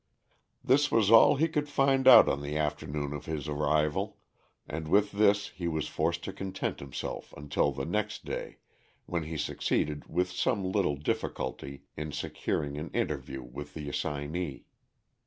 This was all he could find out on the afternoon of his arrival, and with this he was forced to content himself until the next day, when he succeeded with some little difficulty in securing an interview with the assignee.